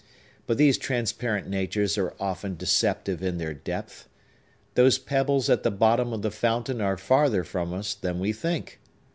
But these transparent natures are often deceptive in their depth; those pebbles at the bottom of the fountain are farther from us than we think.